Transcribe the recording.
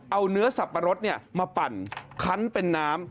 เอาเนื้อสับปะรดมาปั่นคันเป็นน้ำ